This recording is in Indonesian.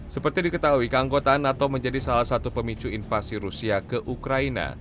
seperti diketahui keanggotaan nato menjadi salah satu pemicu invasi rusia ke ukraina